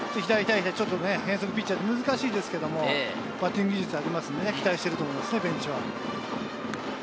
変則ピッチャーで難しいですけど、バッティング技術があるので、期待していると思いますね、ベンチは。